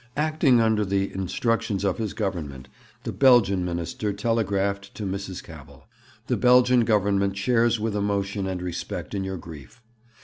Acting under the instructions of his Government, the Belgian Minister telegraphed to Mrs. Cavell: 'The Belgian Government shares with emotion and respect in your grief.